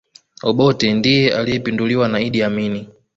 obotte ndiye aliyepinduliwa na idd amini